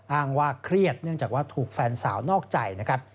อ้างว่าเครียดเนื่องจากว่าถูกแฟนสาวนอกใจนะครับ